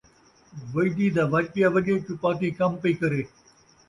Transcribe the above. وڄدی دا وڄ پیا وڄے ، چپاتی کم پئی کرے